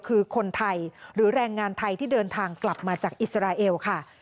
คือคนไทยหรือแรงงานไทยที่เดินทางกลับมาจากอิสราเอลค่ะ